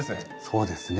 そうですね。